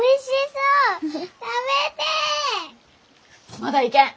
まだいけん。